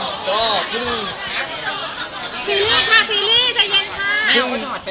ซีรีส์ค่ะซีรีส์ใจเย็นค่ะ